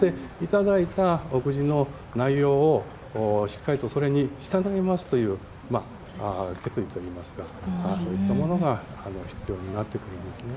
そして、いただいたおみくじの内容をしっかりとそれに従いますという決意といいますかそういったものが必要になってくるんです。